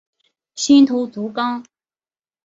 新头足纲。